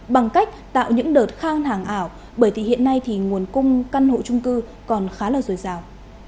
bằng cách tạo những đợt khang hàng ảo bởi thì hiện nay thì nguồn cung căn hộ trung cư còn khá là dồi dào